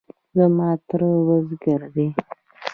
زما تره بزگر دی.